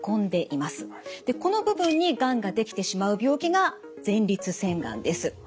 この部分にがんが出来てしまう病気が前立腺がんです。